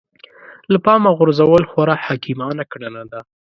له پامه غورځول خورا حکيمانه کړنه ده.